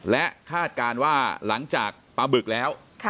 และคาดการณ์ว่าหลังจากปลาบึกแล้ว